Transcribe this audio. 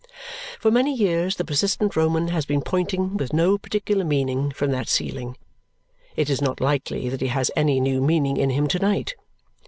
For many years the persistent Roman has been pointing, with no particular meaning, from that ceiling. It is not likely that he has any new meaning in him to night.